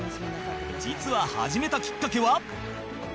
実は始めたきっかけは